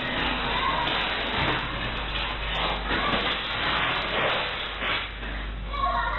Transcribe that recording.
วินาทีกำลังจึงกล้าด์